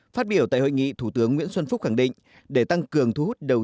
phát biểu tại hội nghị thủ tướng nguyễn xuân phúc khẳng định